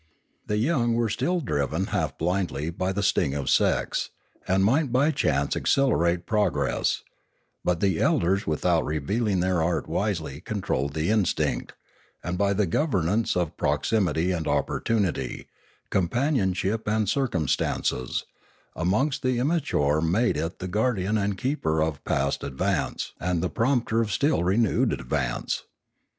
The young were still driven half blindly by the sting of sex, and might by chance accelerate pro gress; but the elders without revealing their art wisely controlled the instinct, and by the governance of prox imity and opportunity, companionship and circum stances, amongst the immature made it the guardian and keeper of past advance and the prompter of still renewed advance.